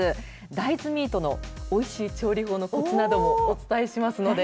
大豆ミートのおいしい調理法のこつなどもお伝えしますので。